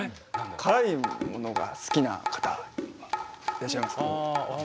辛いものが好きな方はいらっしゃいますか？